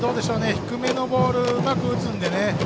低めのボールをうまく打つんでね。